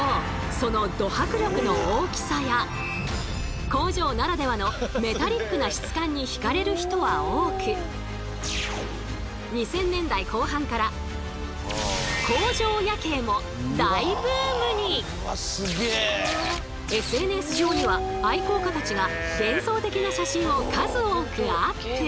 そのド迫力の大きさや工場ならではのメタリックな質感に惹かれる人は多く２０００年代後半からＳＮＳ上には愛好家たちが幻想的な写真を数多くアップ。